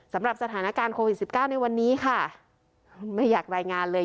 สำหรับสถานการณ์โควิดสิบเก้าในวันนี้ค่ะไม่อยากรายงานเลย